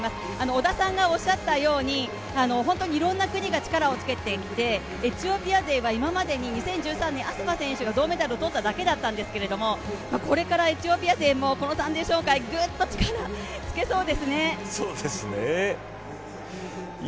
織田さんがおっしゃったように本当にいろんな国が力をつけてきて、エチオピア勢が今までに２０１３年、銅メダルを取ったばっかりだったんですけどもこれからエチオピア勢もこれからぐっと力入れそうですね。